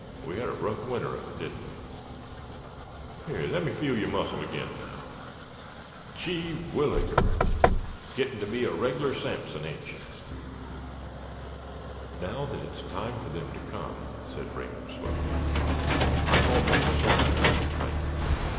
We had a rough winter of it, didn't we. Here, lemme feel yer muscle agin now. Gee williger! Gittin' ter be a reg'lar Samson, ain't ye?" "Now that it's time for them to come," said Raymond, slowly, "I'm almost sorry—kind of.